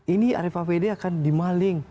ini rapwd akan dimaling